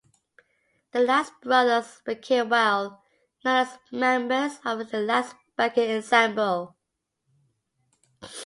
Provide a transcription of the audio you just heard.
The Last brothers became well known as members of the Last-Becker Ensemble.